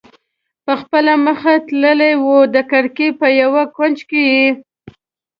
په خپله مخه تللی و، د کړکۍ په یو کونج کې یې.